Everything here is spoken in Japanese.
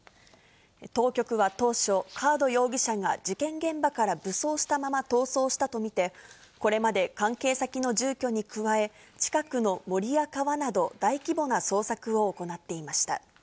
当局は当初、カード容疑者が事件現場から武装したまま逃走したと見て、これまで関係先の住居に加え、近くの森や川など、大規模な捜索を行っていました。